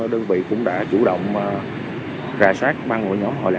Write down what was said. đơn vị cũng đã chủ động ra sát băng nhóm trộm cấp